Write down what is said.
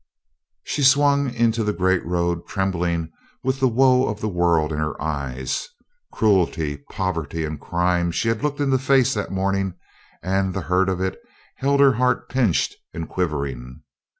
She swung into the great road trembling with the woe of the world in her eyes. Cruelty, poverty, and crime she had looked in the face that morning, and the hurt of it held her heart pinched and quivering.